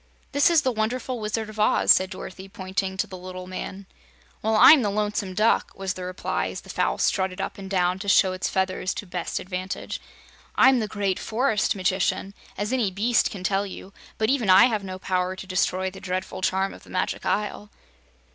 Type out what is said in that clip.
"This is the Wonderful Wizard of Oz," said Dorothy, pointing to the little man. "Well, I'm the Lonesome Duck," was the reply, as the fowl strutted up and down to show its feathers to best advantage. "I'm the great Forest Magician, as any beast can tell you, but even I have no power to destroy the dreadful charm of the Magic Isle."